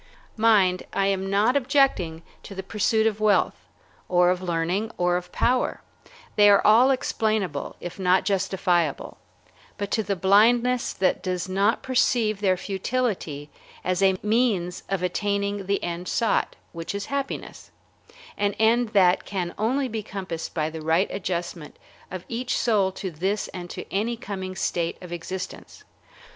Mind, I am not objecting to the pursuit of wealth, or of learning, or of power, they are all explainable, if not justifiable, but to the blindness that does not perceive their futility as a means of attaining the end sought, which is happiness, an end that can only be compassed by the right adjustment of each soul to this and to any coming state of existence.